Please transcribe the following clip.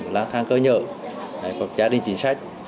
làng thang cơ nhợ có gia đình chính sách